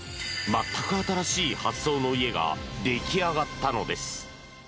全く新しい発想の家ができあがったのです。